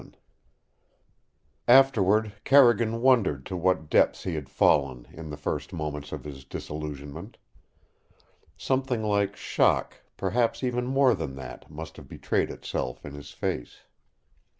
VII Afterward Carrigan wondered to what depths he had fallen in the first moments of his disillusionment. Something like shock, perhaps even more than that, must have betrayed itself in his face.